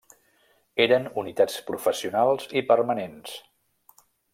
Eren unitats professionals i permanents.